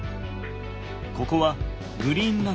ここはグリーンランド。